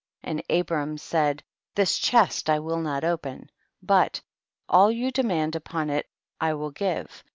1 1 . And Abram said, this chest I will not open, but all you demand upon it I will give.